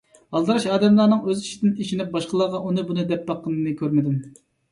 ئالدىراش ئادەملەرنىڭ ئۆز ئىشىدىن ئېشىنىپ باشقىلارغا ئۇنى بۇنى دەپ باققىنىنى كۆرمىدىم.